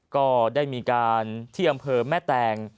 ก็ได้มีการที่อำเภอแม่แตง